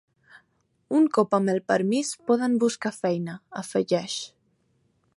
Un cop amb el permís poden buscar feina, afegeix.